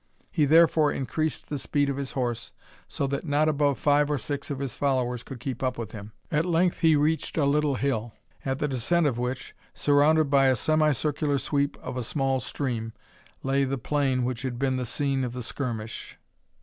He therefore increased the speed of his horse, so that not above five or six of his followers could keep up with him. At length he reached a little hill, at the descent of which, surrounded by a semi circular sweep of a small stream, lay the plain which had been the scene of the skirmish.